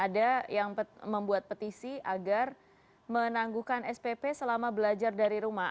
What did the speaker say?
ada yang membuat petisi agar menangguhkan spp selama belajar dari rumah